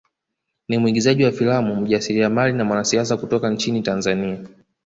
Ni mwigizaji wa filamu mjasiriamali na mwanasiasa kutoka nchini Tanzania